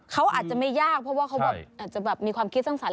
เขาอาจจะไม่ยากเพราะว่าเขาอาจจะมีความคิดสังสรรค์